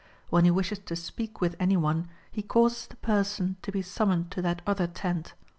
When he wishes to speak with any one he causes the person to be summoncid to that other tent.